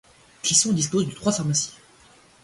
Clisson dispose de trois pharmacies.